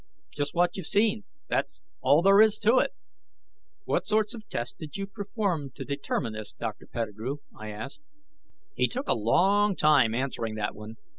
"Just what you've seen; that's all there is to it." "What sort of tests did you perform to determine this, Dr. Pettigrew?" I asked. He took a long time answering that one.